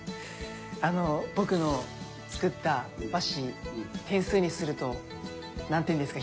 あの僕の作った和紙点数にすると何点ですか？